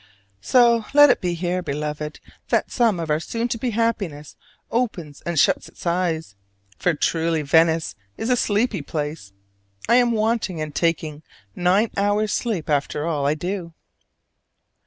So let it be here, Beloved, that some of our soon to be happiness opens and shuts its eyes: for truly Venice is a sleepy place. I am wanting, and taking, nine hours' sleep after all I do!